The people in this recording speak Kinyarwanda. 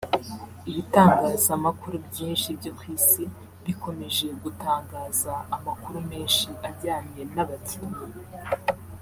Ibitangazamakuru byinshi byo ku isi bikomeje gutangaza amakuru menshi ajyanye n’abakinnyi